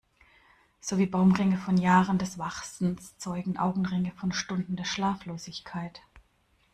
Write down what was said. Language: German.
So wie Baumringe von Jahren des Wachsens zeugen Augenringe von Stunden der Schlaflosigkeit.